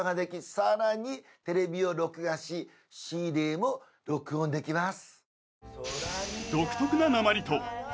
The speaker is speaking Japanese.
さらにテレビを録画しシーデーも録音できます